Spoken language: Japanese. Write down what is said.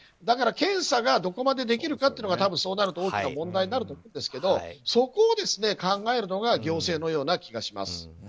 だから、検査がどこまでできるかというのが多分、そうなると大きな問題になると思うんですがそこを考えるのが行政のような気がします。